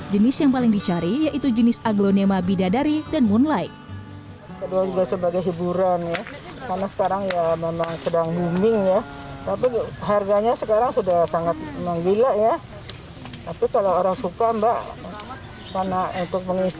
jenis yang paling dicari yaitu jenis aglonema bidadari dan moon light